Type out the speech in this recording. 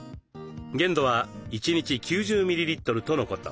限度は１日９０ｍｌとのこと。